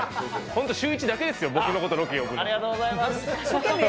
本当シューイチだけですよ、僕のこと、ロケ呼ぶの。